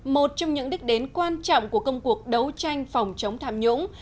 một trong những đích đến quan trọng của công cuộc đấu tranh phòng chống tham nhũng